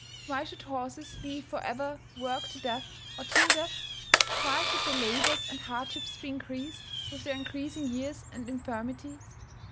Why should horses be for ever worked to death, or till death? Why should their labours and hardships be increased, with their increasing years and infirmities?